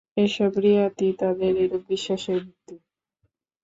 এসব রিওয়ায়তই তাদের এরূপ বিশ্বাসের ভিত্তি।